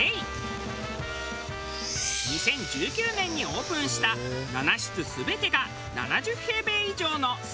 ２０１９年にオープンした７室全てが７０平米以上のスイートルームだけのお宿。